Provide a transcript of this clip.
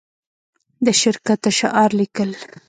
د شرکت د شعار لیکل